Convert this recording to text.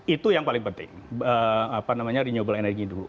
itu yang paling penting apa namanya renewable energy dulu